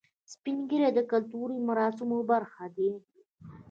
سپین ږیری د کلتوري مراسمو برخه دي